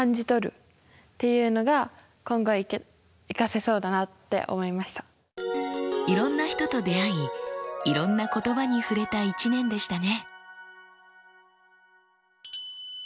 それでいろんな人と出会いいろんな言葉に触れた１年でしたね。